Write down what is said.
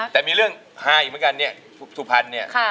แต่มีเรื่องไฮเหมือนกันเนี่ยสุภัณฑ์เนี่ย